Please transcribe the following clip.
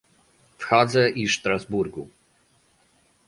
w Hadze i Strasburgu